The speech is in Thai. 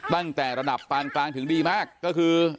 ตั้งแต่ระดับปานกลางถึงดีมากก็คือ